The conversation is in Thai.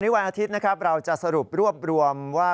วันอาทิตย์นะครับเราจะสรุปรวบรวมว่า